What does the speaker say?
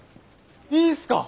いいんすか？